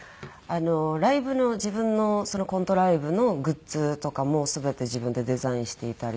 ライブの自分のコントライブのグッズとかも全て自分でデザインしていたりとか。